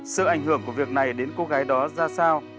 sự ảnh hưởng của việc này đến cô gái đó ra sao